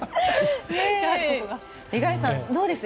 五十嵐さんどうです？